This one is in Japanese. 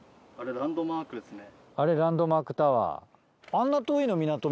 あれランドマークタワー。